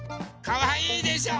かわいいでしょ？